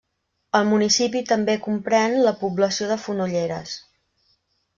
El municipi també compren la població de Fonolleres.